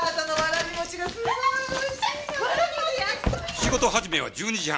仕事始めは１２時半。